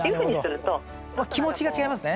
気持ちが違いますね。